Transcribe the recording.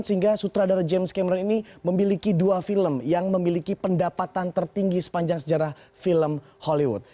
sehingga sutradara james cameron ini memiliki dua film yang memiliki pendapatan tertinggi sepanjang sejarah film hollywood